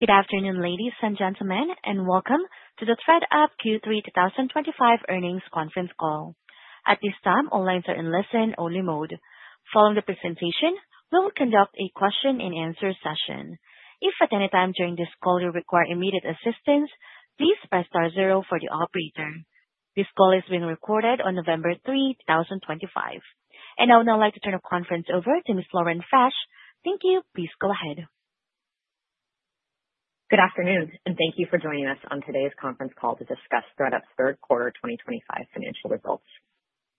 Good afternoon, ladies and gentlemen, and welcome to the ThredUp Q3 2025 earnings conference call. At this time, all lines are in listen-only mode. Following the presentation, we will conduct a question-and-answer session. If at any time during this call you require immediate assistance, please press star zero for the operator. This call is being recorded on November 3, 2025, and I would now like to turn the conference over to Ms. Lauren Frasch. Thank you. Please go ahead. Good afternoon, and thank you for joining us on today's conference call to discuss ThredUp's third quarter 2025 financial results.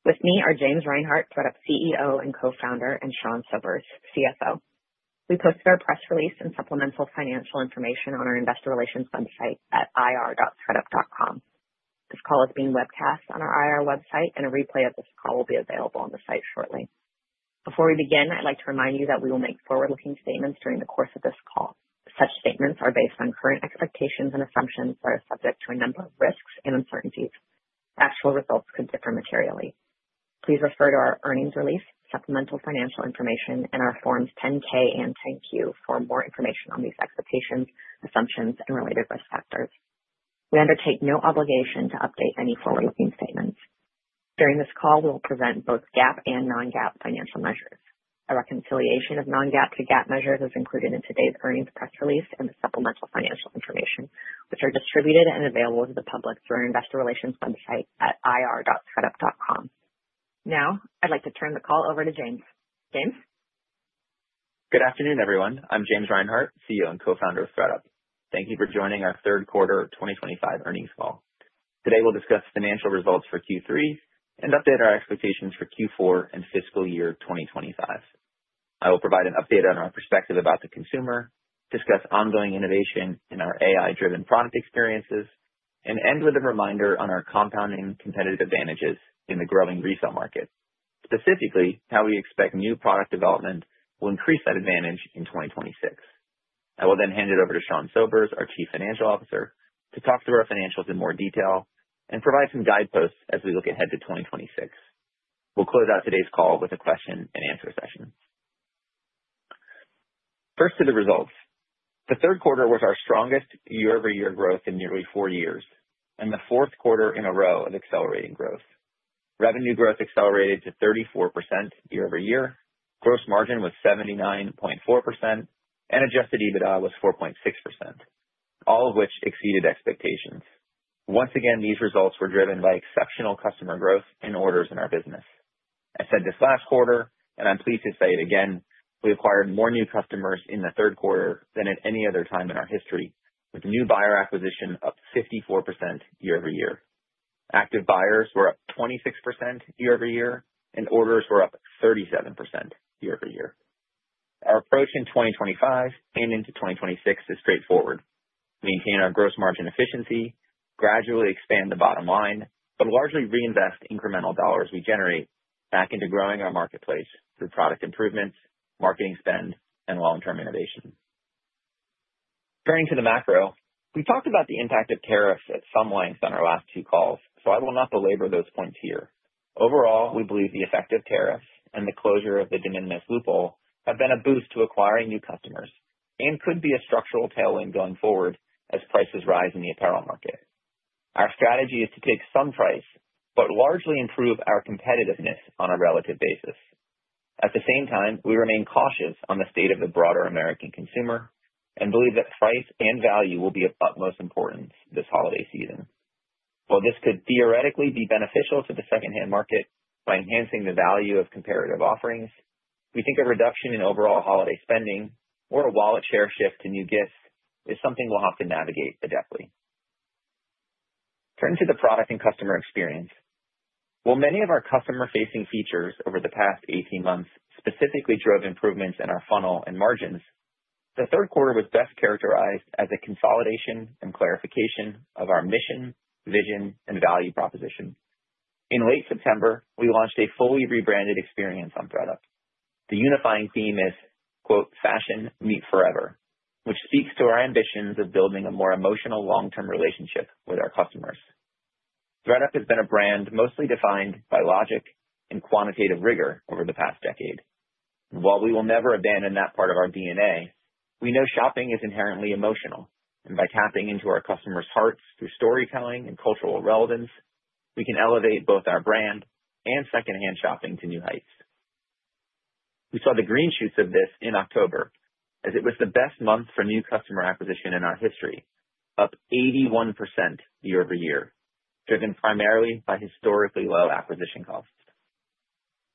With me are James Reinhart, ThredUp CEO and Co-founder, and Sean Sobers, CFO. We posted our press release and supplemental financial information on our investor relations website at ir.thredup.com. This call is being webcast on our IR website, and a replay of this call will be available on the site shortly. Before we begin, I'd like to remind you that we will make forward-looking statements during the course of this call. Such statements are based on current expectations and assumptions that are subject to a number of risks and uncertainties. Actual results could differ materially. Please refer to our earnings release, supplemental financial information, and our Forms 10-K and 10-Q for more information on these expectations, assumptions, and related risk factors. We undertake no obligation to update any forward-looking statements. During this call, we will present both GAAP and non-GAAP financial measures. A reconciliation of non-GAAP to GAAP measures is included in today's earnings press release and the supplemental financial information, which are distributed and available to the public through our investor relations website at ir.thredup.com. Now, I'd like to turn the call over to James. James. Good afternoon, everyone. I'm James Reinhart, CEO and Co-founder of ThredUp. Thank you for joining our third quarter 2025 earnings call. Today, we'll discuss financial results for Q3 and update our expectations for Q4 and fiscal year 2025. I will provide an update on our perspective about the consumer, discuss ongoing innovation in our AI-driven product experiences, and end with a reminder on our compounding competitive advantages in the growing retail market, specifically how we expect new product development will increase that advantage in 2026. I will then hand it over to Sean Sobers, our Chief Financial Officer, to talk through our financials in more detail and provide some guideposts as we look ahead to 2026. We'll close out today's call with a question-and-answer session. First, to the results. The third quarter was our strongest year-over-year growth in nearly four years and the fourth quarter in a row of accelerating growth. Revenue growth accelerated to 34% year-over-year, gross margin was 79.4%, and Adjusted EBITDA was 4.6%, all of which exceeded expectations. Once again, these results were driven by exceptional customer growth and orders in our business. I said this last quarter, and I'm pleased to say it again: we acquired more new customers in the third quarter than at any other time in our history, with new buyer acquisition up 54% year-over-year. Active buyers were up 26% year-over-year, and orders were up 37% year-over-year. Our approach in 2025 and into 2026 is straightforward: maintain our gross margin efficiency, gradually expand the bottom line, and largely reinvest incremental dollars we generate back into growing our marketplace through product improvements, marketing spend, and long-term innovation. Turning to the macro, we talked about the impact of tariffs at some length on our last two calls, so I will not belabor those points here. Overall, we believe the effect of tariffs and the closure of the de minimis loophole have been a boost to acquiring new customers and could be a structural tailwind going forward as prices rise in the apparel market. Our strategy is to take some price but largely improve our competitiveness on a relative basis. At the same time, we remain cautious on the state of the broader American consumer and believe that price and value will be of utmost importance this holiday season. While this could theoretically be beneficial to the secondhand market by enhancing the value of comparative offerings, we think a reduction in overall holiday spending or a wallet share shift to new gifts is something we'll have to navigate adeptly. Turning to the product and customer experience. While many of our customer-facing features over the past 18 months specifically drove improvements in our funnel and margins, the third quarter was best characterized as a consolidation and clarification of our mission, vision, and value proposition. In late September, we launched a fully rebranded experience on ThredUp. The unifying theme is "Fashion Meets Forever," which speaks to our ambitions of building a more emotional long-term relationship with our customers. ThredUp has been a brand mostly defined by logic and quantitative rigor over the past decade. While we will never abandon that part of our DNA, we know shopping is inherently emotional, and by tapping into our customers' hearts through storytelling and cultural relevance, we can elevate both our brand and secondhand shopping to new heights. We saw the green shoots of this in October, as it was the best month for new customer acquisition in our history, up 81% year-over-year, driven primarily by historically low acquisition costs.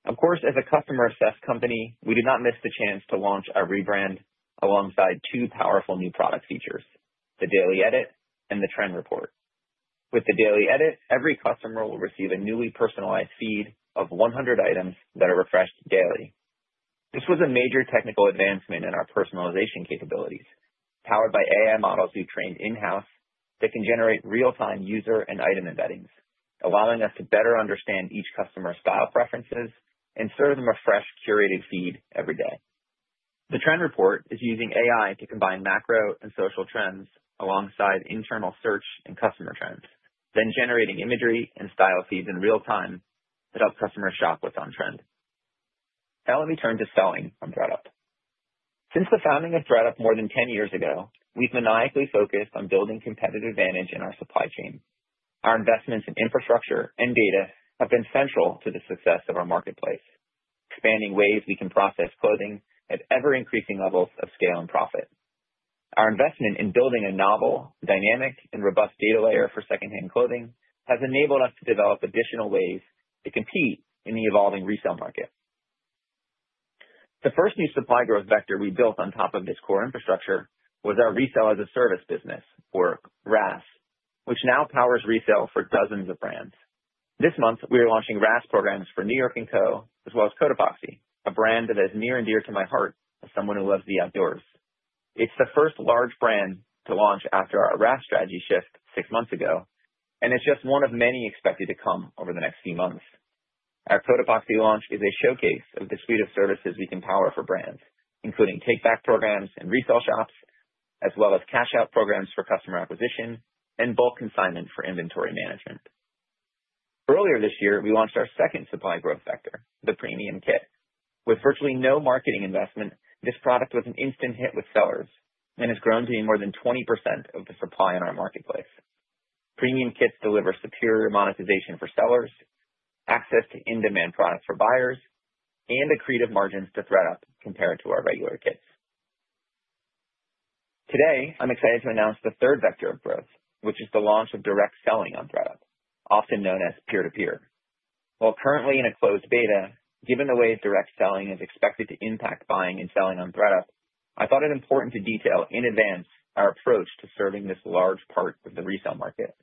Of course, as a customer-obsessed company, we did not miss the chance to launch a rebrand alongside two powerful new product features: the Daily Edit and the Trend Report. With the Daily Edit, every customer will receive a newly personalized feed of 100 items that are refreshed daily. This was a major technical advancement in our personalization capabilities, powered by AI models we've trained in-house that can generate real-time user and item embeddings, allowing us to better understand each customer's style preferences and serve them a fresh, curated feed every day. The Trend Report is using AI to combine macro and social trends alongside internal search and customer trends, then generating imagery and style feeds in real time that help customers shop what's on trend. Now, let me turn to selling from ThredUp. Since the founding of ThredUp more than 10 years ago, we've maniacally focused on building competitive advantage in our supply chain. Our investments in infrastructure and data have been central to the success of our marketplace, expanding ways we can process clothing at ever-increasing levels of scale and profit. Our investment in building a novel, dynamic, and robust data layer for second-hand clothing has enabled us to develop additional ways to compete in the evolving retail market. The first new supply growth vector we built on top of this core infrastructure was our Resale-as-a-Service business, or RaaS, which now powers retail for dozens of brands. This month, we are launching RaaS programs for New York & Company, as well as Cotopaxi, a brand that is near and dear to my heart as someone who loves the outdoors. It's the first large brand to launch after our RaaS strategy shift six months ago, and it's just one of many expected to come over the next few months. Our Cotopaxi launch is a showcase of the suite of services we can power for brands, including take-back programs and resale shops, as well as cash-out programs for customer acquisition and bulk consignment for inventory management. Earlier this year, we launched our second supply growth vector, the Premium Kit. With virtually no marketing investment, this product was an instant hit with sellers and has grown to be more than 20% of the supply in our marketplace. Premium Kits deliver superior monetization for sellers, access to in-demand products for buyers, and a greater margin to ThredUp compared to our regular kits. Today, I'm excited to announce the third vector of growth, which is the launch of direct selling on ThredUp, often known as peer-to-peer. While currently in a closed beta, given the way direct selling is expected to impact buying and selling on ThredUp, I thought it important to detail in advance our approach to serving this large part of the retail market.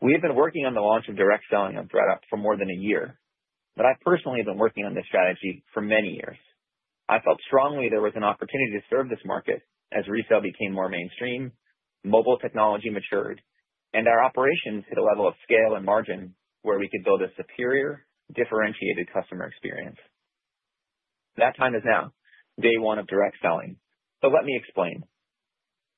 We have been working on the launch of direct selling on ThredUp for more than a year, but I've personally been working on this strategy for many years. I felt strongly there was an opportunity to serve this market as retail became more mainstream, mobile technology matured, and our operations hit a level of scale and margin where we could build a superior, differentiated customer experience. That time is now, day one of direct selling. So let me explain.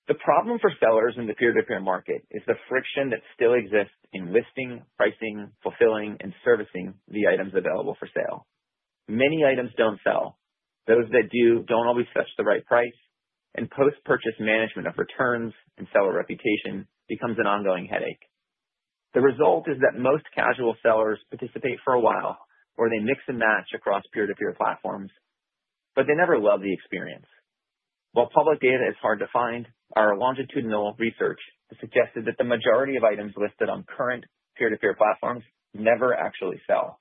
The problem for sellers in the peer-to-peer market is the friction that still exists in listing, pricing, fulfilling, and servicing the items available for sale. Many items don't sell. Those that do don't always fetch the right price, and post-purchase management of returns and seller reputation becomes an ongoing headache. The result is that most casual sellers participate for a while, or they mix and match across peer-to-peer platforms, but they never love the experience. While public data is hard to find, our longitudinal research has suggested that the majority of items listed on current peer-to-peer platforms never actually sell.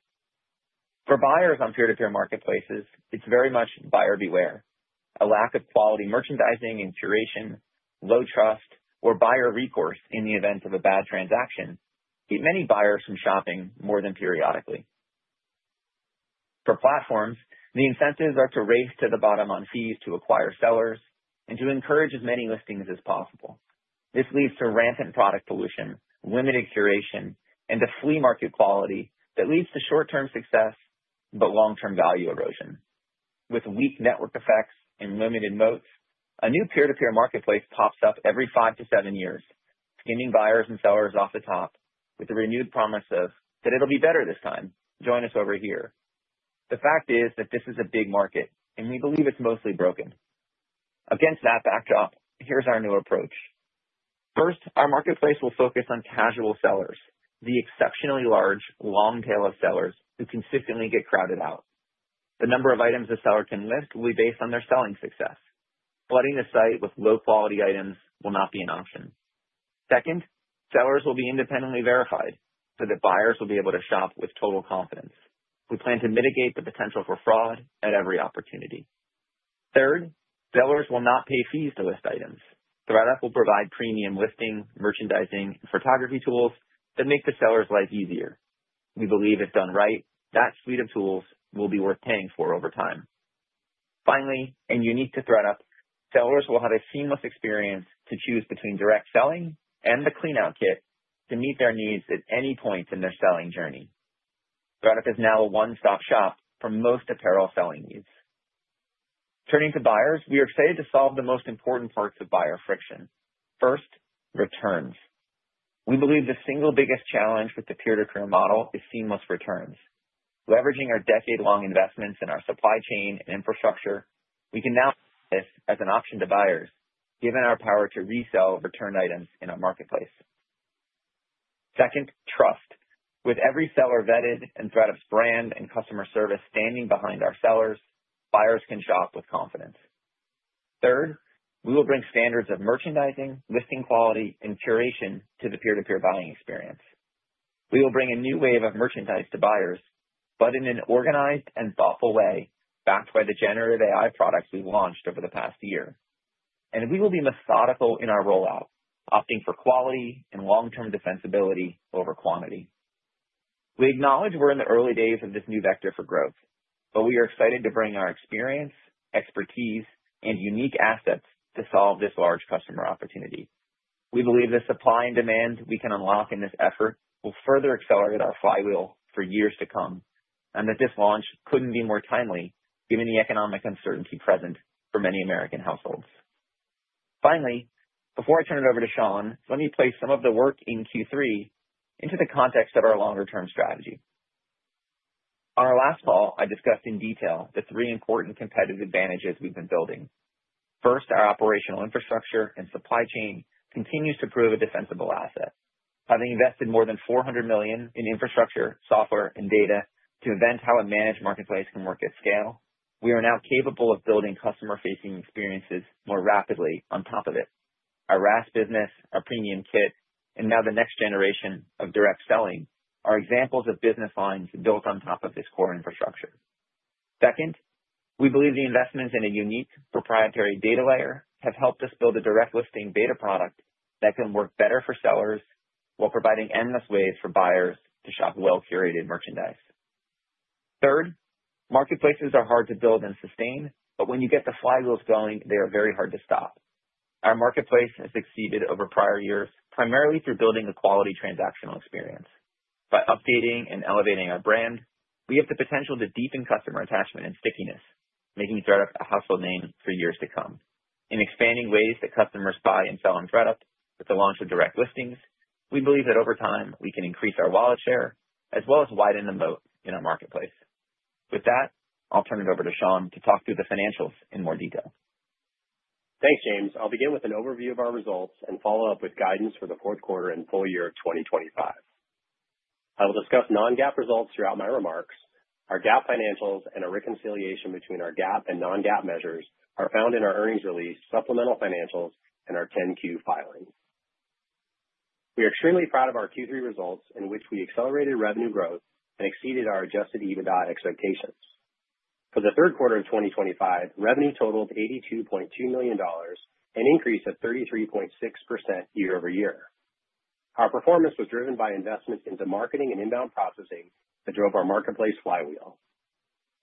For buyers on peer-to-peer marketplaces, it's very much buyer beware. A lack of quality merchandising and curation, low trust, or buyer recourse in the event of a bad transaction keeps many buyers from shopping more than periodically. For platforms, the incentives are to race to the bottom on fees to acquire sellers and to encourage as many listings as possible. This leads to rampant product pollution, limited curation, and a flea market quality that leads to short-term success but long-term value erosion. With weak network effects and limited moats, a new peer-to-peer marketplace pops up every five to seven years, skimming buyers and sellers off the top with the renewed promise of, "It'll be better this time; join us over here." The fact is that this is a big market, and we believe it's mostly broken. Against that backdrop, here's our new approach. First, our marketplace will focus on casual sellers, the exceptionally large, long tail of sellers who consistently get crowded out. The number of items a seller can list will be based on their selling success. Flooding a site with low-quality items will not be an option. Second, sellers will be independently verified so that buyers will be able to shop with total confidence. We plan to mitigate the potential for fraud at every opportunity. Third, sellers will not pay fees to list items. ThredUp will provide premium listing, merchandising, and photography tools that make the seller's life easier. We believe if done right, that suite of tools will be worth paying for over time. Finally, and unique to ThredUp, sellers will have a seamless experience to choose between direct selling and the Clean Out Kit to meet their needs at any point in their selling journey. ThredUp is now a one-stop shop for most apparel selling needs. Turning to buyers, we are excited to solve the most important parts of buyer friction. First, returns. We believe the single biggest challenge with the peer-to-peer model is seamless returns. Leveraging our decade-long investments in our supply chain and infrastructure, we can now see this as an option to buyers, given our power to resell returned items in our marketplace. Second, trust. With every seller vetted and ThredUp's brand and customer service standing behind our sellers, buyers can shop with confidence. Third, we will bring standards of merchandising, listing quality, and curation to the peer-to-peer buying experience. We will bring a new wave of merchandise to buyers, but in an organized and thoughtful way, backed by the generative AI products we've launched over the past year. We will be methodical in our rollout, opting for quality and long-term defensibility over quantity. We acknowledge we're in the early days of this new vector for growth, but we are excited to bring our experience, expertise, and unique assets to solve this large customer opportunity. We believe the supply and demand we can unlock in this effort will further accelerate our flywheel for years to come, and that this launch couldn't be more timely given the economic uncertainty present for many American households. Finally, before I turn it over to Sean, let me place some of the work in Q3 into the context of our longer-term strategy. On our last call, I discussed in detail the three important competitive advantages we've been building. First, our operational infrastructure and supply chain continues to prove a defensible asset. Having invested more than $400 million in infrastructure, software, and data to invent how a managed marketplace can work at scale, we are now capable of building customer-facing experiences more rapidly on top of it. Our RaaS business, our Premium Kit, and now the next generation of direct selling are examples of business lines built on top of this core infrastructure. Second, we believe the investments in a unique proprietary data layer have helped us build a direct listing beta product that can work better for sellers while providing endless ways for buyers to shop well-curated merchandise. Third, marketplaces are hard to build and sustain, but when you get the flywheels going, they are very hard to stop. Our marketplace has exceeded over prior years primarily through building a quality transactional experience. By updating and elevating our brand, we have the potential to deepen customer attachment and stickiness, making ThredUp a household name for years to come. In expanding ways that customers buy and sell on ThredUp with the launch of direct listings, we believe that over time we can increase our wallet share as well as widen the moat in our marketplace. With that, I'll turn it over to Sean to talk through the financials in more detail. Thanks, James. I'll begin with an overview of our results and follow up with guidance for the fourth quarter and full year of 2025. I will discuss non-GAAP results throughout my remarks. Our GAAP financials and a reconciliation between our GAAP and non-GAAP measures are found in our earnings release, supplemental financials, and our 10-Q filing. We are extremely proud of our Q3 results, in which we accelerated revenue growth and exceeded our Adjusted EBITDA expectations. For the third quarter of 2025, revenue totaled $82.2 million and increased at 33.6% year-over-year. Our performance was driven by investments into marketing and inbound processing that drove our marketplace flywheel.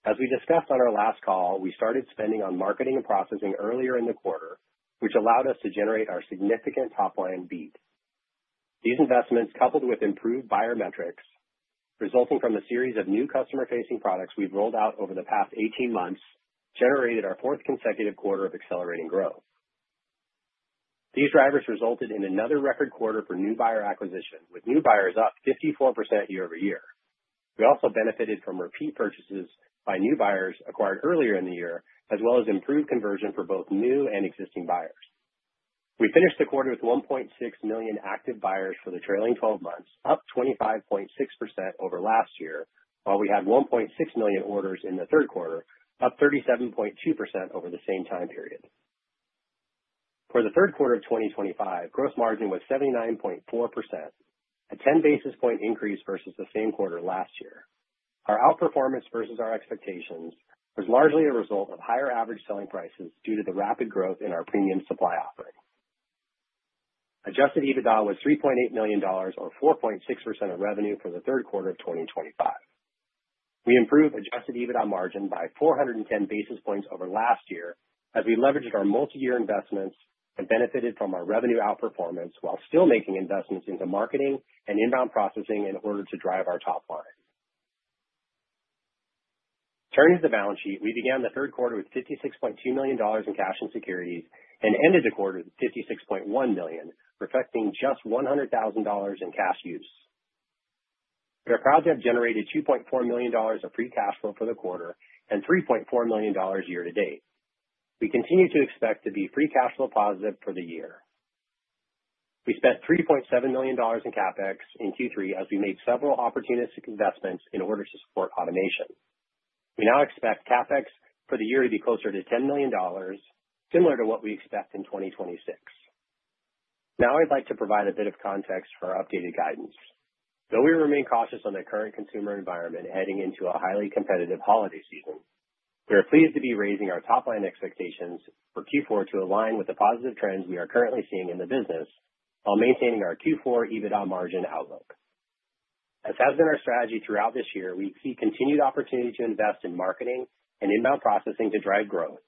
As we discussed on our last call, we started spending on marketing and processing earlier in the quarter, which allowed us to generate our significant top-line beat. These investments, coupled with improved buyer metrics resulting from a series of new customer-facing products we've rolled out over the past 18 months, generated our fourth consecutive quarter of accelerating growth. These drivers resulted in another record quarter for new buyer acquisition, with new buyers up 54% year-over-year. We also benefited from repeat purchases by new buyers acquired earlier in the year, as well as improved conversion for both new and existing buyers. We finished the quarter with 1.6 million active buyers for the trailing 12 months, up 25.6% over last year, while we had 1.6 million orders in the third quarter, up 37.2% over the same time period. For the third quarter of 2025, gross margin was 79.4%, a 10 basis points increase versus the same quarter last year. Our outperformance versus our expectations was largely a result of higher average selling prices due to the rapid growth in our premium supply offering. Adjusted EBITDA was $3.8 million, or 4.6% of revenue, for the third quarter of 2025. We improved Adjusted EBITDA margin by 410 basis points over last year as we leveraged our multi-year investments and benefited from our revenue outperformance while still making investments into marketing and inbound processing in order to drive our top line. Turning to the balance sheet, we began the third quarter with $56.2 million in cash and securities and ended the quarter with $56.1 million, reflecting just $100,000 in cash use. We are proud to have generated $2.4 million of Free Cash Flow for the quarter and $3.4 million year-to-date. We continue to expect to be free cash flow positive for the year. We spent $3.7 million in CapEx in Q3 as we made several opportunistic investments in order to support automation. We now expect CapEx for the year to be closer to $10 million, similar to what we expect in 2026. Now, I'd like to provide a bit of context for our updated guidance. Though we remain cautious on the current consumer environment heading into a highly competitive holiday season, we are pleased to be raising our top-line expectations for Q4 to align with the positive trends we are currently seeing in the business while maintaining our Q4 EBITDA margin outlook. As has been our strategy throughout this year, we see continued opportunity to invest in marketing and inbound processing to drive growth.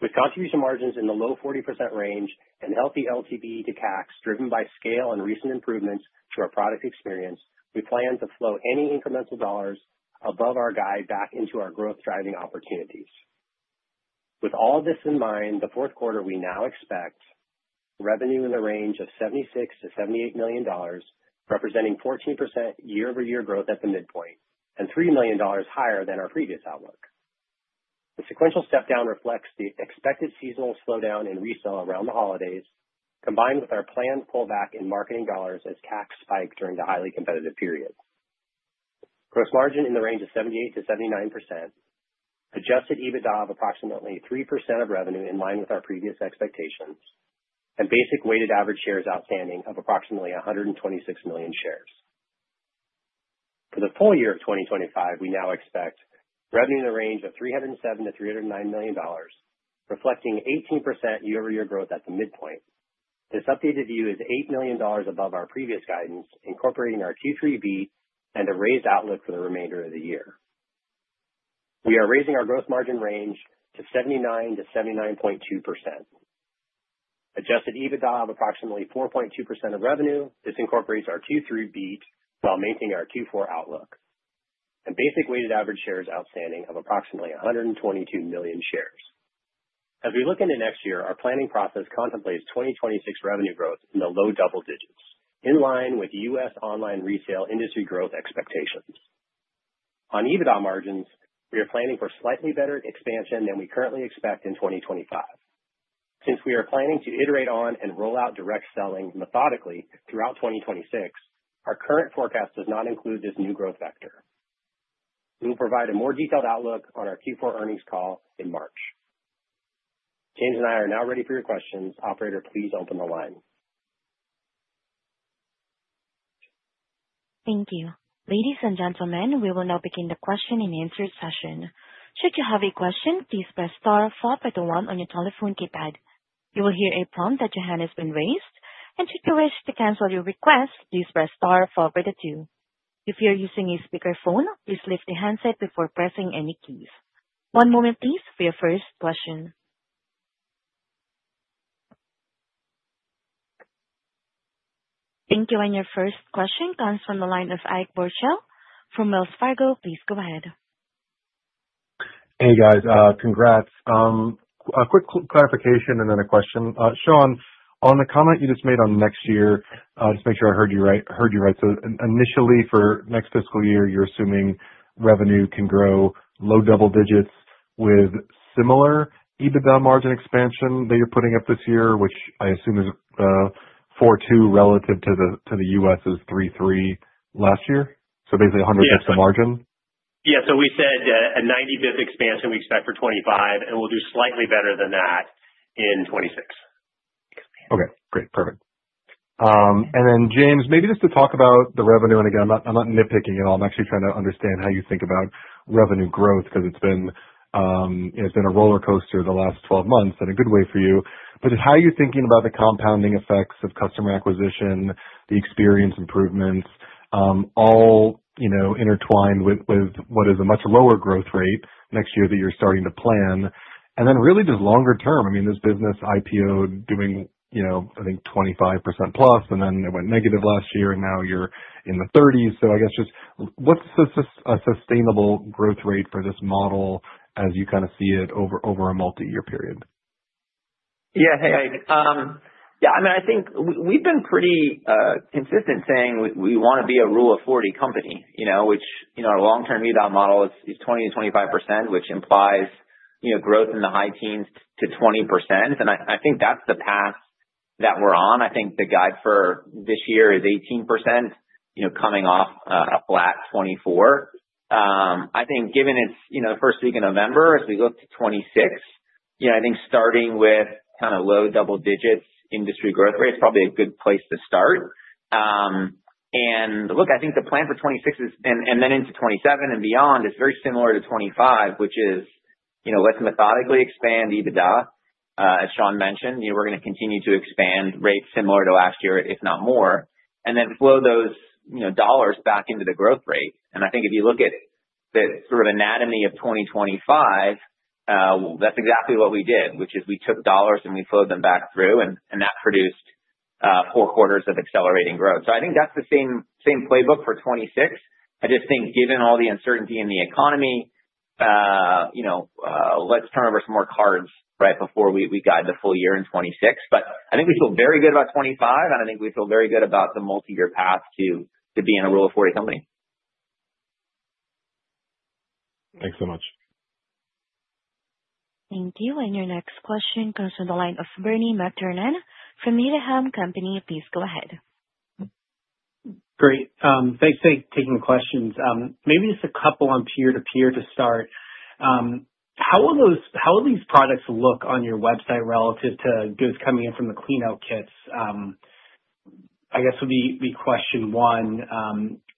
With contribution margins in the low 40% range and healthy LTV to CACs driven by scale and recent improvements to our product experience, we plan to flow any incremental dollars above our guide back into our growth-driving opportunities. With all of this in mind, the fourth quarter, we now expect revenue in the range of $76-$78 million, representing 14% year-over-year growth at the midpoint and $3 million higher than our previous outlook. The sequential step-down reflects the expected seasonal slowdown in resale around the holidays, combined with our planned pullback in marketing dollars as CACs spike during the highly competitive period. Gross margin in the range of 78%-79%, Adjusted EBITDA of approximately 3% of revenue in line with our previous expectations, and basic weighted average shares outstanding of approximately 126 million shares. For the full year of 2025, we now expect revenue in the range of $307 million-$309 million, reflecting 18% year-over-year growth at the midpoint. This updated view is $8 million above our previous guidance, incorporating our Q3 beat and a raised outlook for the remainder of the year. We are raising our gross margin range to 79%-79.2%. Adjusted EBITDA of approximately 4.2% of revenue. This incorporates our Q3 beat while maintaining our Q4 outlook. A basic weighted average shares outstanding of approximately 122 million shares. As we look into next year, our planning process contemplates 2026 revenue growth in the low double digits, in line with U.S. online resale industry growth expectations. On EBITDA margins, we are planning for slightly better expansion than we currently expect in 2025. Since we are planning to iterate on and roll out direct selling methodically throughout 2026, our current forecast does not include this new growth vector. We will provide a more detailed outlook on our Q4 earnings call in March. James and I are now ready for your questions. Operator, please open the line. Thank you. Ladies and gentlemen, we will now begin the question-and-answer session. Should you have a question, please press star, then one on your telephone keypad. You will hear a prompt that your hand has been raised, and should you wish to cancel your request, please press star, then two. If you are using a speakerphone, please lift the handset before pressing any keys. One moment, please, for your first question. Thank you, and your first question comes from the line of Ike Boruchow from Wells Fargo. Please go ahead. Hey, guys. Congrats. A quick clarification and then a question. Sean, on the comment you just made on next year, just to make sure I heard you right, so initially, for next fiscal year, you're assuming revenue can grow low double digits with similar EBITDA margin expansion that you're putting up this year, which I assume is 4.2 relative to the U.S. is 3.3 last year, so basically 100 basis points of margin? Yeah. So we said a 90-basis point expansion we expect for 2025, and we'll do slightly better than that in 2026. Okay. Great. Perfect. And then, James, maybe just to talk about the revenue. And again, I'm not nitpicking at all. I'm actually trying to understand how you think about revenue growth because it's been a roller coaster the last 12 months in a good way for you. But how are you thinking about the compounding effects of customer acquisition, the experience improvements, all intertwined with what is a much lower growth rate next year that you're starting to plan? And then really just longer term. I mean, this business IPO doing, I think, 25%+, and then it went negative last year, and now you're in the 30s. So I guess just what's a sustainable growth rate for this model as you kind of see it over a multi-year period? Yeah. Hey, I think we've been pretty consistent saying we want to be a Rule of 40 company, which in our long-term EBITDA model, it's 20%-25%, which implies growth in the high teens to 20%. And I think that's the path that we're on. I think the guide for this year is 18%, coming off a flat 2024. I think given it's the first week of November, as we look to 2026, I think starting with kind of low double-digits industry growth rate is probably a good place to start. And look, I think the plan for 2026 is, and then into 2027 and beyond is very similar to 2025, which is let's methodically expand EBITDA, as Sean mentioned. We're gonna to continue to expand rates similar to last year, if not more, and then flow those dollars back into the growth rate. And I think if you look at the sort of anatomy of 2025, that's exactly what we did, which is we took dollars and we flowed them back through, and that produced four quarters of accelerating growth. So I think that's the same playbook for 2026. I just think, given all the uncertainty in the economy, let's turn over some more cards right before we guide the full year in 2026. But I think we feel very good about 2025, and I think we feel very good about the multi-year path to being a Rule of 40 company. Thanks so much. Thank you. And your next question comes from the line of Bernie McTernan from Needham & Company; please go ahead. Great. Thanks for taking the questions. Maybe just a couple on peer-to-peer to start. How will these products look on your website relative to goods coming in from the Clean Out Kits? I guess would be question one.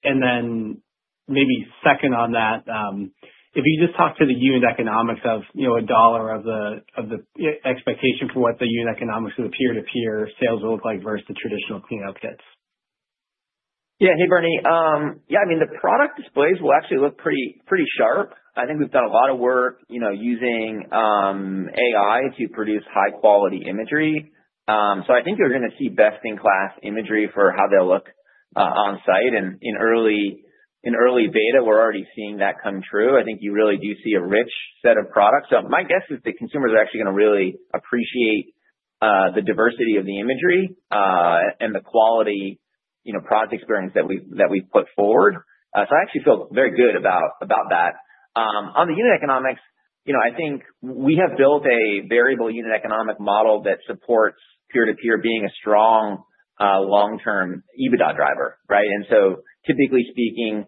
And then maybe second on that, if you just talk to the unit economics of a dollar of the expectation for what the unit economics of the peer-to-peer sales will look like versus the traditional Clean Out Kits. Yeah. Hey, Bernie. Yeah. I mean, the product displays will actually look pretty sharp. I think we've done a lot of work using AI to produce high-quality imagery. So I think you're going to see best-in-class imagery for how they'll look on-site. And in early beta, we're already seeing that come true. I think you really do see a rich set of products. My guess is that consumers are actually going to really appreciate the diversity of the imagery and the quality product experience that we've put forward. I actually feel very good about that. On the unit economics, I think we have built a variable unit economic model that supports peer-to-peer being a strong long-term EBITDA driver. And so typically speaking,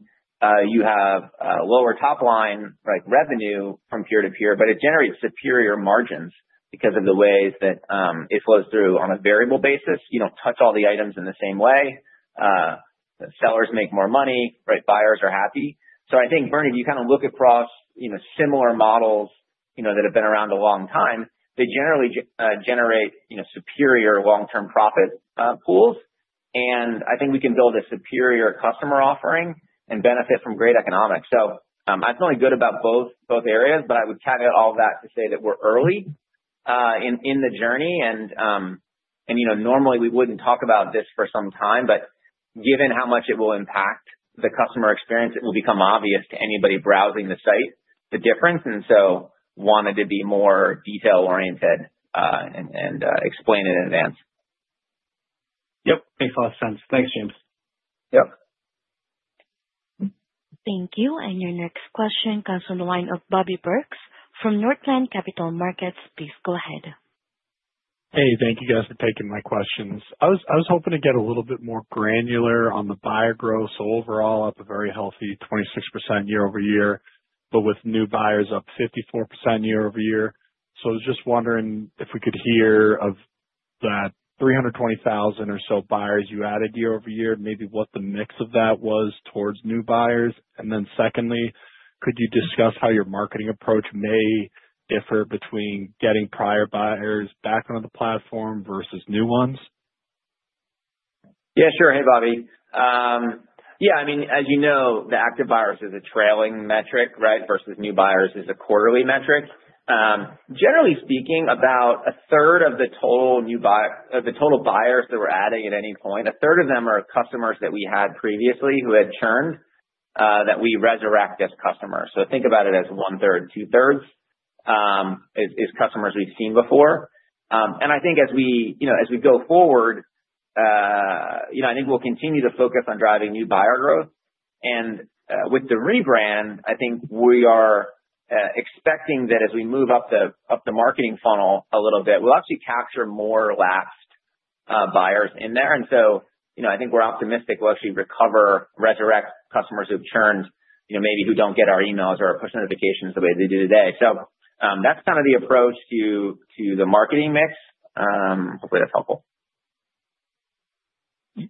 you have lower top-line revenue from peer-to-peer, but it generates superior margins because of the way that it flows through on a variable basis. You don't touch all the items in the same way. Sellers make more money. Buyers are happy. So I think, Bernie, if you kind of look across similar models that have been around a long time, they generally generate superior long-term profit pools. And I think we can build a superior customer offering and benefit from great economics. So I feel good about both areas, but I would caveat all of that to say that we're early in the journey. And normally, we wouldn't talk about this for some time, but given how much it will impact the customer experience, it will become obvious to anybody browsing the site the difference. And so wanted to be more detail-oriented and explain it in advance. Yep. Makes a lot of sense. Thanks, James. Yep. Thank you. And your next question comes from the line of Bobby Burleson from Northland Capital Markets. Please go ahead. Hey, thank you, guys, for taking my questions. I was hoping to get a little bit more granular on the buyer growth. So overall, up a very healthy 26% year-over-year, but with new buyers up 54% year-over-year. I was just wondering if we could hear of that 320,000 or so buyers you added year-over-year, maybe what the mix of that was towards new buyers. And then secondly, could you discuss how your marketing approach may differ between getting prior buyers back on the platform versus new ones? Yeah, sure. Hey, Bobby. Yeah. I mean, as you know, the active buyers is a trailing metric, right, versus new buyers is a quarterly metric. Generally speaking, about a third of the total buyers that we're adding at any point, a third of them are customers that we had previously who had churned that we resurrect as customers. So think about it as one-third; two-thirds is customers we've seen before. And I think as we go forward, I think we'll continue to focus on driving new buyer growth. And with the rebrand, I think we are expecting that as we move up the marketing funnel a little bit, we'll actually capture more lapsed buyers in there. And so I think we're optimistic we'll actually recover, resurrect customers who have churned, maybe who don't get our emails or our push notifications the way they do today. So that's kind of the approach to the marketing mix. Hopefully, that's helpful.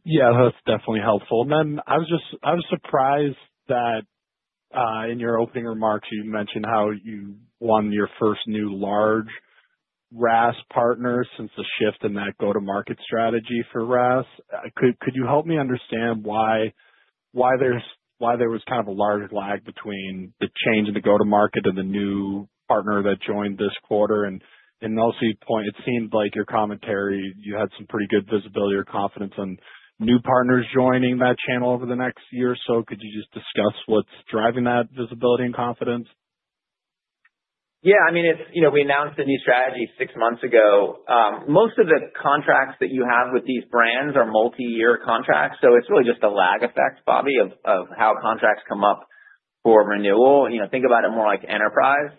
Yeah, that's definitely helpful. And then I was surprised that in your opening remarks, you mentioned how you won your first new large RaaS partner since the shift in that go-to-market strategy for RaaS. Could you help me understand why there was kind of a large lag between the change in the go-to-market and the new partner that joined this quarter? And also your point, it seemed like your commentary, you had some pretty good visibility or confidence on new partners joining that channel over the next year or so. Could you just discuss what's driving that visibility and confidence? Yeah. I mean, we announced a new strategy six months ago. Most of the contracts that you have with these brands are multi-year contracts. So it's really just a lag effect, Bobby, of how contracts come up for renewal. Think about it more like enterprise.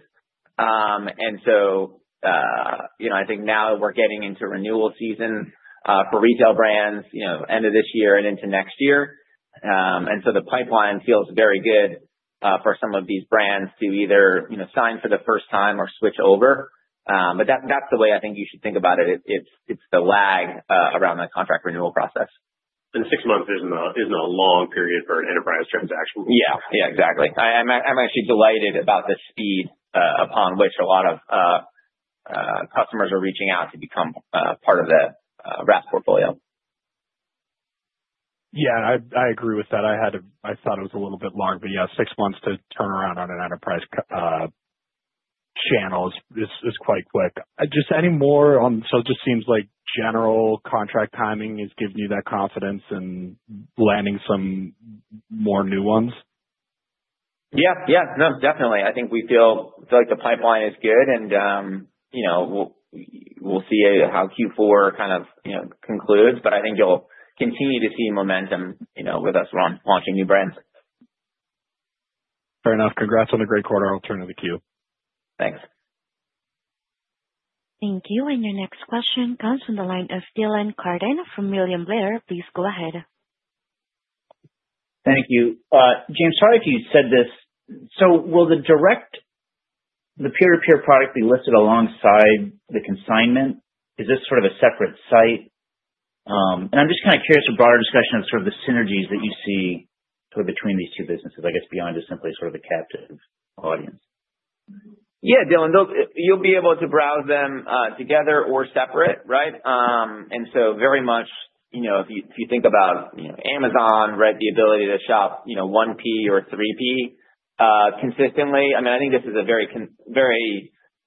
And so I think now we're getting into renewal season for retail brands, end of this year and into next year. And so the pipeline feels very good for some of these brands to either sign for the first time or switch over. But that's the way I think you should think about it. It's the lag around that contract renewal process. And six months isn't a long period for an enterprise transaction. Yeah. Yeah, exactly. I'm actually delighted about the speed upon which a lot of customers are reaching out to become part of the RaaS portfolio. Yeah, I agree with that. I thought it was a little bit long, but yeah, six months to turn around on an enterprise channel is quite quick. Just any more on, so it just seems like general contract timing is giving you that confidence and landing some more new ones? Yeah. Yeah. No, definitely. I think we feel like the pipeline is good, and we'll see how Q4 kind of concludes. But I think you'll continue to see momentum with us launching new brands. Fair enough. Congrats on a great quarter. I'll turn to the queue. Thanks. Thank you. And your next question comes from the line of Dylan Carden from William Blair.Please go ahead. Thank you. James, sorry if you said this. So will the peer-to-peer product be listed alongside the consignment? Is this sort of a separate site? And I'm just kind of curious about our discussion of sort of the synergies that you see between these two businesses, I guess, beyond just simply sort of the captive audience. Yeah, Dylan, you'll be able to browse them together or separate, right? And so, very much if you think about Amazon, the ability to shop 1P or 3P consistently. I mean, I think this is a very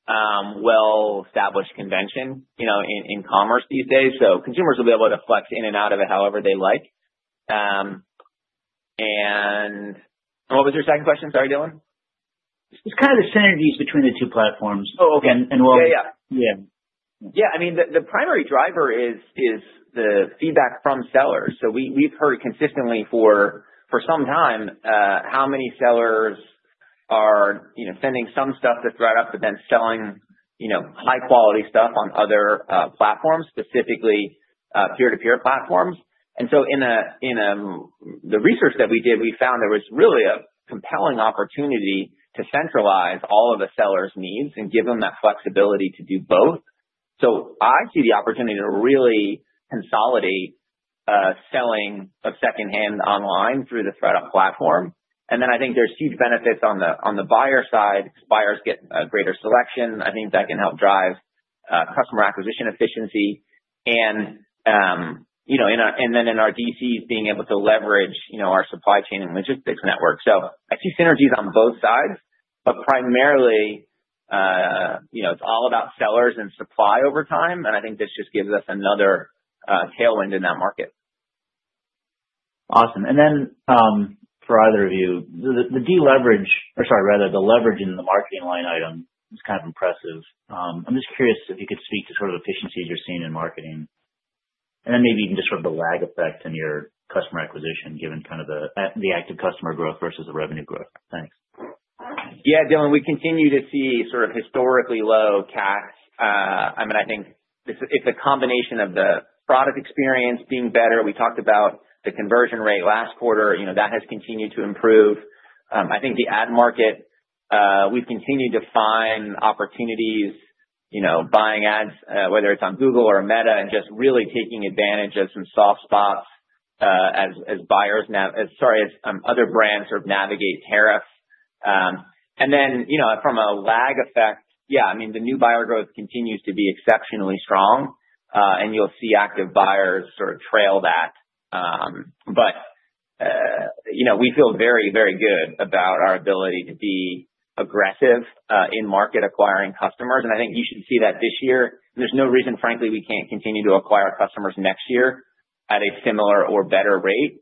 well-established convention in commerce these days. So consumers will be able to flex in and out of it however they like. And what was your second question? Sorry, Dylan. Just kind of the synergies between the two platforms. Oh, okay. And yeah. Yeah. I mean, the primary driver is the feedback from sellers. So we've heard consistently for some time how many sellers are sending some stuff that's brought up but then selling high-quality stuff on other platforms, specifically peer-to-peer platforms. And so in the research that we did, we found there was really a compelling opportunity to centralize all of the sellers' needs and give them that flexibility to do both. So I see the opportunity to really consolidate selling of secondhand online through the ThredUp platform. And then I think there's huge benefits on the buyer side. Buyers get a greater selection. I think that can help drive customer acquisition efficiency. And then in our DC, being able to leverage our supply chain and logistics network. So I see synergies on both sides, but primarily, it's all about sellers and supply over time. And I think this just gives us another tailwind in that market. Awesome. And then for either of you, the deleverage, or sorry, rather the leverage in the marketing line item is kind of impressive. I'm just curious if you could speak to sort of efficiencies you're seeing in marketing. And then maybe even just sort of the lag effect in your customer acquisition, given kind of the active customer growth versus the revenue growth. Thanks. Yeah, Dylan, we continue to see sort of historically low CAC. I mean, I think it's a combination of the product experience being better. We talked about the conversion rate last quarter. That has continued to improve. I think the ad market, we've continued to find opportunities buying ads, whether it's on Google or Meta, and just really taking advantage of some soft spots as buyers—sorry, as other brands sort of navigate tariffs. And then from a lag effect, yeah, I mean, the new buyer growth continues to be exceptionally strong. And you'll see active buyers sort of trail that. But we feel very, very good about our ability to be aggressive in market acquiring customers. And I think you should see that this year. There's no reason, frankly, we can't continue to acquire customers next year at a similar or better rate,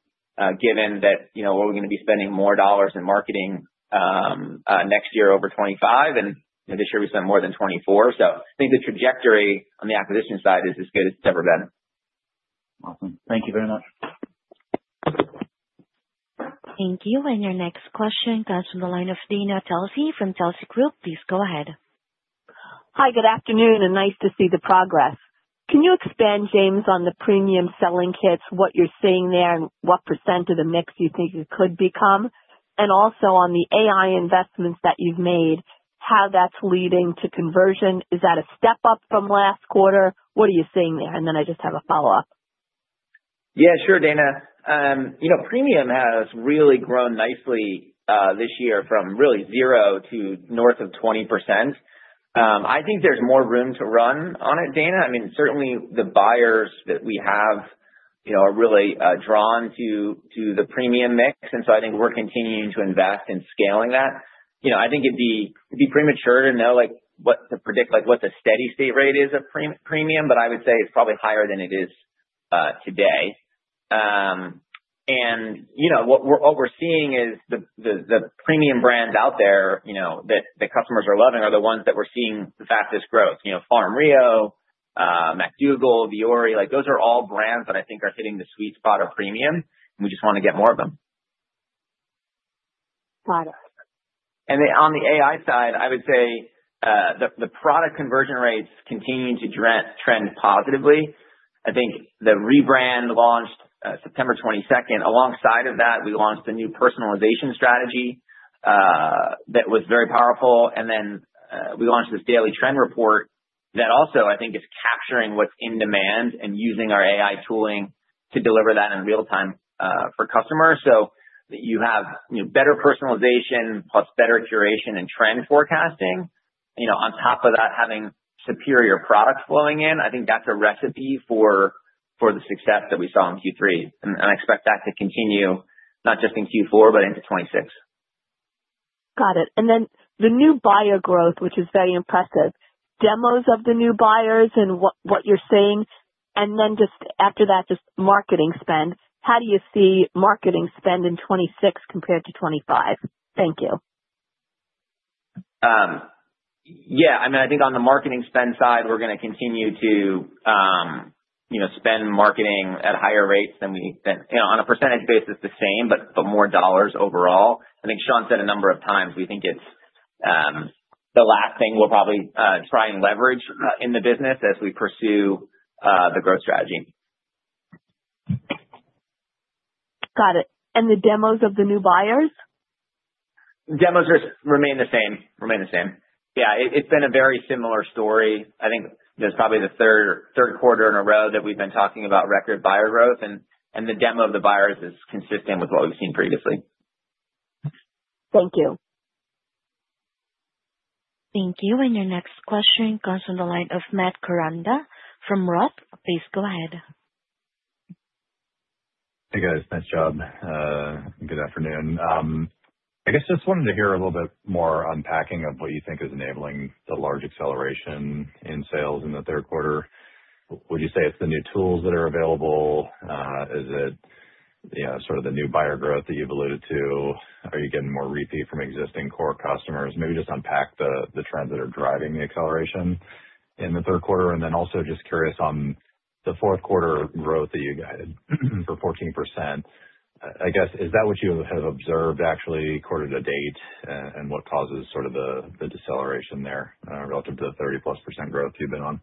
given that we're going to be spending more dollars in marketing next year over 2025, and this year we spent more than 2024. So I think the trajectory on the acquisition side is as good as it's ever been. Awesome. Thank you very much. Thank you. And your next question comes from the line of Dana Telsey from Telsey Advisory Group. Please go ahead. Hi, good afternoon, and nice to see the progress. Can you expand, James, on the premium selling kits, what you're seeing there, and what % of the mix you think it could become? And also on the AI investments that you've made, how that's leading to conversion? Is that a step up from last quarter? What are you seeing there? And then I just have a follow-up. Yeah, sure, Dana. Premium has really grown nicely this year from really zero to north of 20%. I think there's more room to run on it, Dana. I mean, certainly the buyers that we have are really drawn to the premium mix. And so I think we're continuing to invest in scaling that. I think it'd be premature to know what to predict, what the steady-state rate is of premium, but I would say it's probably higher than it is today. What we're seeing is the premium brands out there that customers are loving are the ones that we're seeing the fastest growth: Farm Rio, Mac Duggal, Vuori. Those are all brands that I think are hitting the sweet spot of premium. We just want to get more of them. Got it. On the AI side, I would say the product conversion rates continue to trend positively. I think the rebrand launched September 22nd. Alongside of that, we launched a new personalization strategy that was very powerful. And then we launched this daily Trend Report that also, I think, is capturing what's in demand and using our AI tooling to deliver that in real time for customers. So you have better personalization plus better curation and trend forecasting. On top of that, having superior products flowing in, I think that's a recipe for the success that we saw in Q3. I expect that to continue not just in Q4, but into 2026. Got it. And then the new buyer growth, which is very impressive. Demos of the new buyers and what you're seeing. And then just after that, just marketing spend. How do you see marketing spend in 2026 compared to 2025? Thank you. Yeah. I mean, I think on the marketing spend side, we're going to continue to spend marketing at higher rates than we on a percentage basis, the same, but more dollars overall. I think Sean said a number of times, we think it's the last thing we'll probably try and leverage in the business as we pursue the growth strategy. Got it. And the demos of the new buyers? Demos remain the same. Remain the same. Yeah. It's been a very similar story. I think there's probably the third quarter in a row that we've been talking about record buyer growth. And the demographic of the buyers is consistent with what we've seen previously. Thank you. Thank you. And your next question comes from the line of Matt Koranda from Roth. Please go ahead. Hey, guys. Nice job. Good afternoon. I guess just wanted to hear a little bit more unpacking of what you think is enabling the large acceleration in sales in the third quarter. Would you say it's the new tools that are available? Is it sort of the new buyer growth that you've alluded to? Are you getting more repeat from existing core customers? Maybe just unpack the trends that are driving the acceleration in the third quarter. And then also just curious on the fourth-quarter growth that you guided, the 14%. I guess, is that what you have observed actually quarter to date and what causes sort of the deceleration there relative to the 30+% growth you've been on?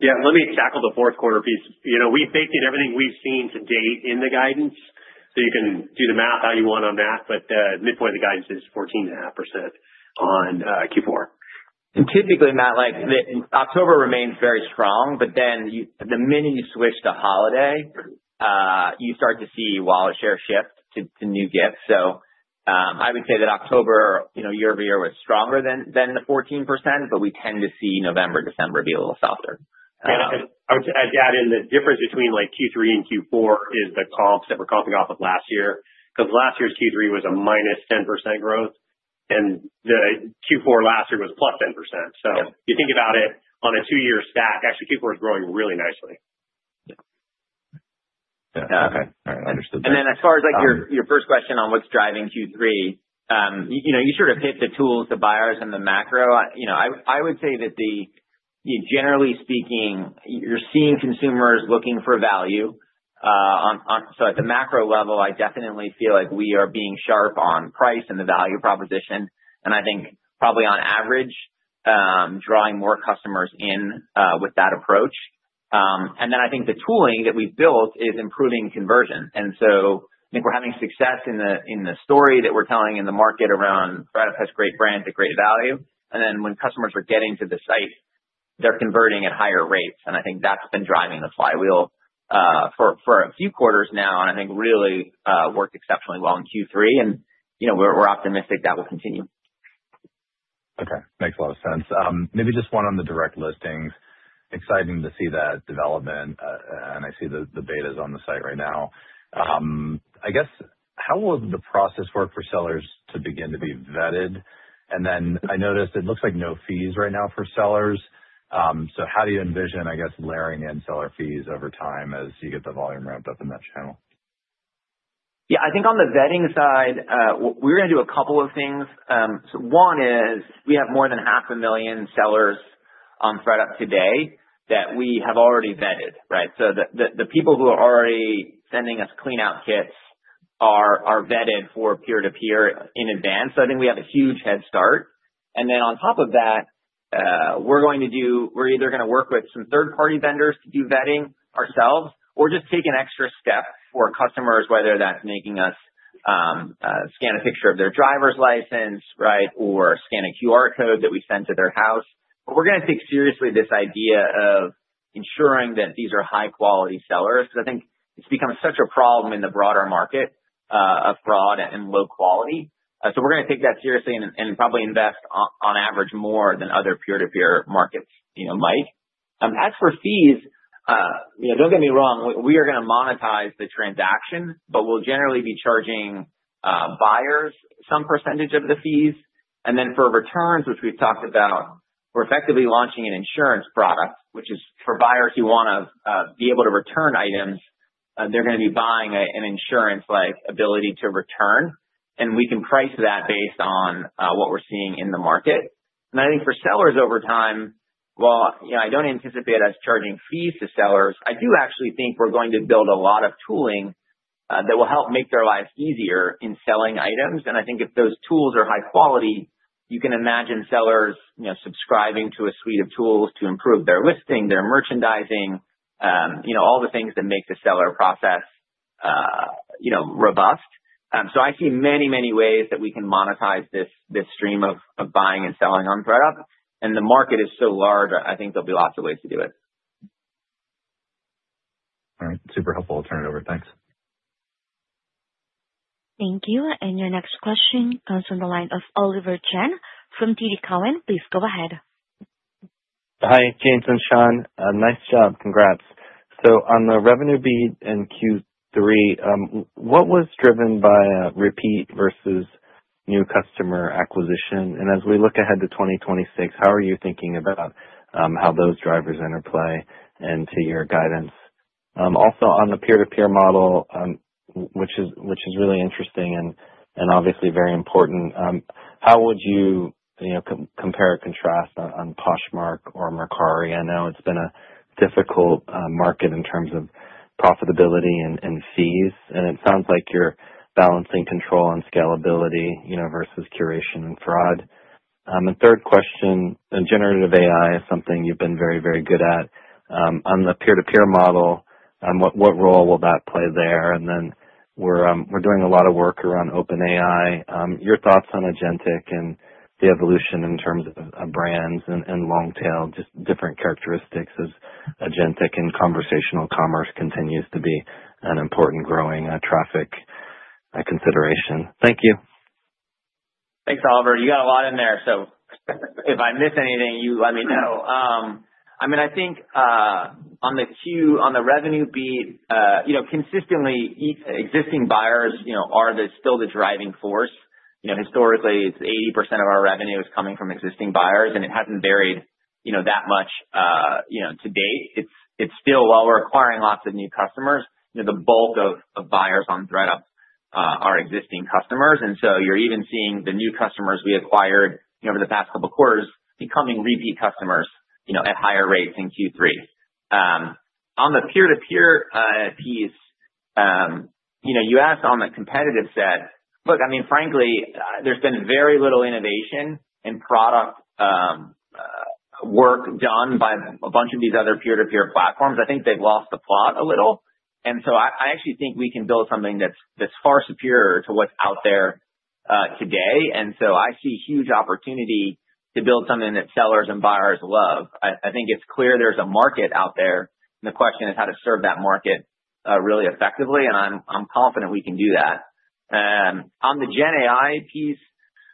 Yeah. Let me tackle the fourth-quarter piece. We've baked in everything we've seen to date in the guidance. So you can do the math how you want on that. But midpoint of the guidance is 14.5% on Q4. And typically, Matt, October remains very strong, but then the minute you switch to holiday, you start to see wallet share shift to new gifts. So I would say that October, year-over-year, was stronger than the 14%, but we tend to see November, December be a little softer. And I would add in the difference between Q3 and Q4 is the calls that we're copying off of last year. Because last year's Q3 was a minus 10% growth, and Q4 last year was plus 10%. So if you think about it on a two-year stack, actually, Q4 is growing really nicely. Yeah. I understood. And then as far as your first question on what's driving Q3, you sort of hit the tools, the buyers, and the macro. I would say that generally speaking, you're seeing consumers looking for value. So at the macro level, I definitely feel like we are being sharp on price and the value proposition. And I think probably on average, drawing more customers in with that approach. And then I think the tooling that we've built is improving conversion. And so I think we're having success in the story that we're telling in the market around RaaS has great brands at great value. And then when customers are getting to the site, they're converting at higher rates. And I think that's been driving the flywheel for a few quarters now, and I think really worked exceptionally well in Q3. And we're optimistic that will continue. Okay. Makes a lot of sense. Maybe just one on the direct listings. Exciting to see that development. And I see the betas on the site right now. I guess, how will the process work for sellers to begin to be vetted? And then I noticed it looks like no fees right now for sellers. So how do you envision, I guess, layering in seller fees over time as you get the volume ramped up in that channel? Yeah. I think on the vetting side, we're going to do a couple of things. One is we have more than 500,000 sellers ThredUp today that we have already vetted, right? So the people who are already sending us Clean Out Kits are vetted for peer-to-peer in advance. So I think we have a huge head start. And then on top of that, we're either going to work with some third-party vendors to do vetting ourselves or just take an extra step for customers, whether that's making us scan a picture of their driver's license, right, or scan a QR code that we send to their house. But we're going to take seriously this idea of ensuring that these are high-quality sellers. Because I think it's become Such a problem in the broader market of fraud and low quality. So we're going to take that seriously and probably invest on average more than other peer-to-peer markets might. As for fees, don't get me wrong, we are going to monetize the transaction, but we'll generally be charging buyers some percentage of the fees. And then for returns, which we've talked about, we're effectively launching an insurance product, which is for buyers who want to be able to return items. They're going to be buying an insurance-like ability to return. And we can price that based on what we're seeing in the market. And I think for sellers over time, well, I don't anticipate us charging fees to sellers. I do actually think we're going to build a lot of tooling that will help make their lives easier in selling items. And I think if those tools are high quality, you can imagine sellers subscribing to a suite of tools to improve their listing, their merchandising, all the things that make the seller process robust. So I see many, many ways that we can monetize this stream of buying and selling on ThredUp. And the market is so large, I think there'll be lots of ways to do it. All right. Super helpful alternative. Thanks. Thank you. And your next question comes from the line of Oliver Chen from TD Cowen. Please go ahead. Hi, James and Sean. Nice job. Congrats. So on the revenue beat in Q3, what was driven by repeat versus new customer acquisition? And as we look ahead to 2026, how are you thinking about how those drivers interplay into your guidance? Also, on the peer-to-peer model, which is really interesting and obviously very important, how would you compare or contrast on Poshmark or Mercari? I know it's been a difficult market in terms of profitability and fees. And it sounds like you're balancing control and scalability versus curation and fraud. And third question, generative AI is something you've been very, very good at. On the peer-to-peer model, what role will that play there? And then we're doing a lot of work around OpenAI. Your thoughts on agentic and the evolution in terms of brands and long-tail, just different characteristics of agentic and conversational commerce continues to be an important growing traffic consideration. Thank you. Thanks, Oliver. You got a lot in there. So if I miss anything, you let me know. I mean, I think on the revenue beat, consistently, existing buyers are still the driving force. Historically, 80% of our revenue is coming from existing buyers, and it hasn't varied that much to date. It's still while we're acquiring lots of new customers, the bulk of buyers on ThredUp are existing customers. And so you're even seeing the new customers we acquired over the past couple of quarters becoming repeat customers at higher rates in Q3. On the peer-to-peer piece, you asked on the competitive side, look, I mean, frankly, there's been very little innovation in product work done by a bunch of these other peer-to-peer platforms. I think they've lost the plot a little. And so I actually think we can build something that's far superior to what's out there today. And so I see huge opportunity to build something that sellers and buyers love. I think it's clear there's a market out there. And the question is how to serve that market really effectively. And I'm confident we can do that. On the GenAI piece,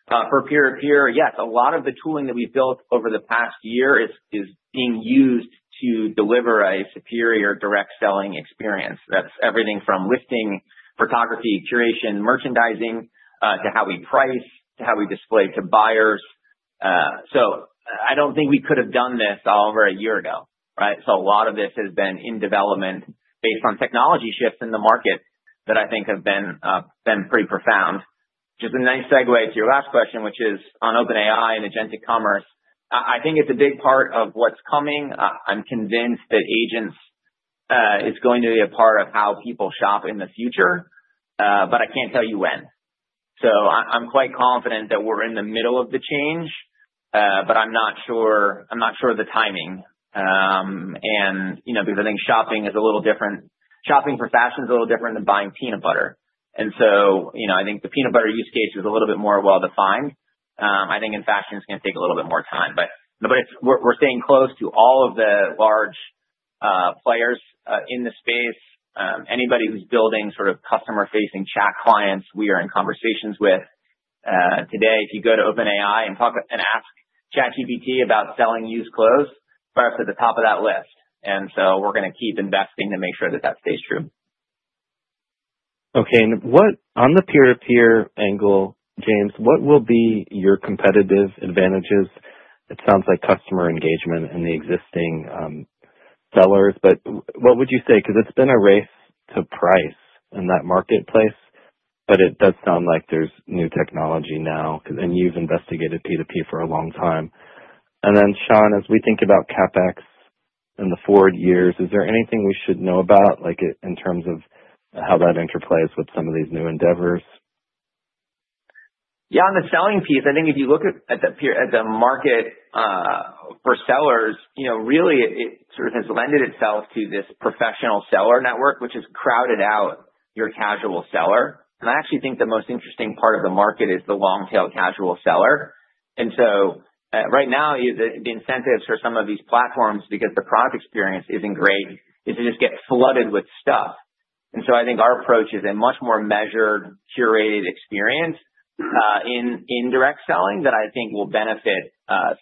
for peer-to-peer, yes, a lot of the tooling that we've built over the past year is being used to deliver a superior direct selling experience. That's everything from listing, photography, curation, merchandising, to how we price, to how we display to buyers. So I don't think we could have done this all over a year ago, right? So a lot of this has been in development based on technology shifts in the market that I think have been pretty profound. Just a nice segue to your last question, which is on OpenAI and agentic commerce. I think it's a big part of what's coming. I'm convinced that agents is going to be a part of how people shop in the future, but I can't tell you when. So I'm quite confident that we're in the middle of the change, but I'm not sure of the timing, and because I think shopping is a little different. Shopping for fashion is a little different than buying peanut butter. And so I think the peanut butter use case was a little bit more well-defined. I think in fashion, it's going to take a little bit more time. But we're staying close to all of the large players in the space. Anybody who's building sort of customer-facing chat clients, we are in conversations with today. If you go to OpenAI and ask ChatGPT about selling used clothes, we're up to the top of that list. And so we're going to keep investing to make sure that that stays true. Okay. And on the peer-to-peer angle, James, what will be your competitive advantages? It sounds like customer engagement and the existing sellers, but what would you say? Because it's been a race to price in that marketplace, but it does sound like there's new technology now. And you've investigated P2P for a long time. Then, Sean, as we think about CapEx and the forward years, is there anything we should know about in terms of how that interplays with some of these new endeavors? Yeah. On the selling piece, I think if you look at the market for sellers, really it sort of has lent itself to this professional seller network, which has crowded out your casual seller. And I actually think the most interesting part of the market is the long-tail casual seller. And so right now, the incentives for some of these platforms, because the product experience isn't great, is to just get flooded with stuff. And so I think our approach is a much more measured, curated experience in direct selling that I think will benefit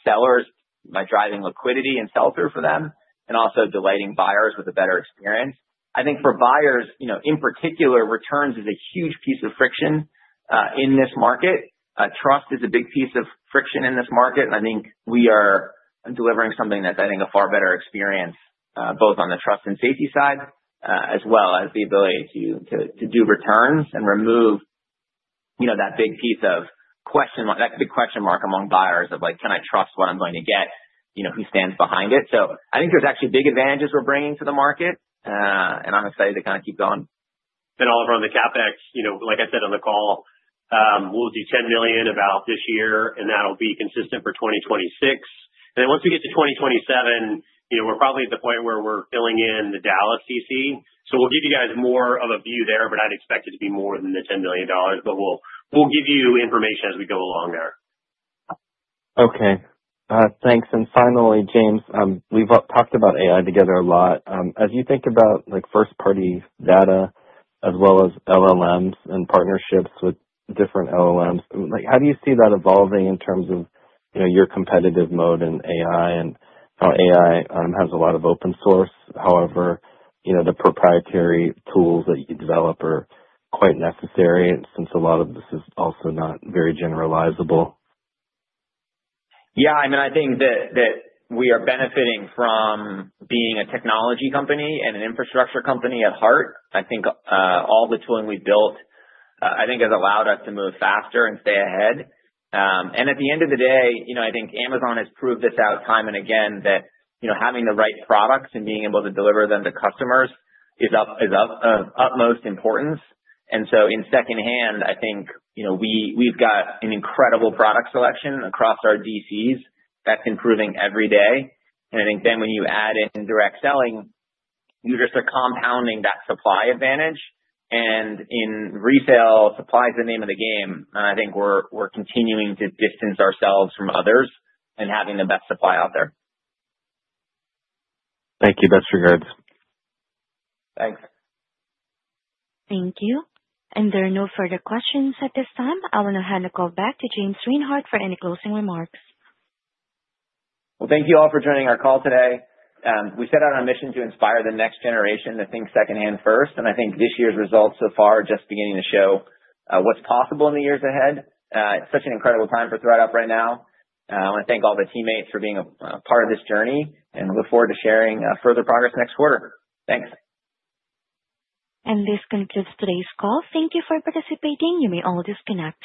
sellers by driving liquidity and sell-through for them, and also delighting buyers with a better experience. I think for buyers, in particular, returns is a huge piece of friction in this market. Trust is a big piece of friction in this market. And I think we are delivering something that's, I think, a far better experience, both on the trust and safety side, as well as the ability to do returns and remove that big piece of question, that big question mark among buyers of like, can I trust what I'm going to get? Who stands behind it? So I think there's actually big advantages we're bringing to the market. And I'm excited to kind of keep going. And Oliver, on the CapEx, like I said on the call, we'll do $10 million about this year, and that'll be consistent for 2026. And then once we get to 2027, we're probably at the point where we're filling in the Dallas DC. So we'll give you guys more of a view there, but I'd expect it to be more than the $10 million. But we'll give you information as we go along there. Okay. Thanks. And finally, James, we've talked about AI together a lot. As you think about first-party data as well as LLMs and partnerships with different LLMs, how do you see that evolving in terms of your competitive moat in AI and how AI has a lot of open source? However, the proprietary tools that you develop are quite necessary since a lot of this is also not very generalizable. Yeah. I mean, I think that we are benefiting from being a technology company and an infrastructure company at heart. I think all the tooling we built, I think, has allowed us to move faster and stay ahead. And at the end of the day, I think Amazon has proved this out time and again that having the right products and being able to deliver them to customers is of utmost importance. And so in secondhand, I think we've got an incredible product selection across our DCs that's improving every day. And I think then when you add in direct selling, you're just compounding that supply advantage. And in retail, supply is the name of the game. And I think we're continuing to distance ourselves from others and having the best supply out there. Thank you. Best regards. Thanks. Thank you. And there are no further questions at this time. I want to hand the call back to James Reinhart for any closing remarks. Well, thank you all for joining our call today. We set out on a mission to inspire the next generation to think secondhand first, and I think this year's results so far are just beginning to show what's possible in the years ahead. Such an incredible time for ThredUp right now. I want to thank all the teammates for being a part of this journey, and we look forward to sharing further progress next quarter. Thanks. And this concludes today's call. Thank you for participating. You may all disconnect.